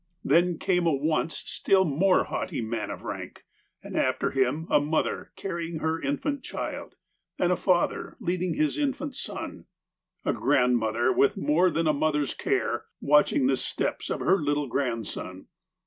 Then came a once still more haughty man of rank ; and after him a mother carrying her infant child, and a father leading his infant son. A grandmother, with more than a mother's care, watching the steps of her little grandson.